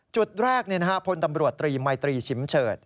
จุดแรกพลตำรวจตรีมัยตรีชิมเฉิด